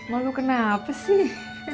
malu kenapa sih